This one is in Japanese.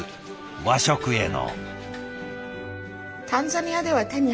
和食への。